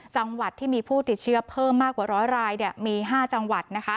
จังหวัดที่มีผู้ติดเชื้อเพิ่มมากกว่าร้อยรายมี๕จังหวัดนะคะ